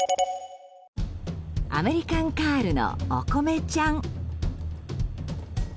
アメリカンカールのおこめちゃん。